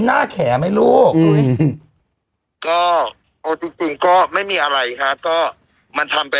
แขไหมลูกก็เอาจริงจริงก็ไม่มีอะไรฮะก็มันทำไป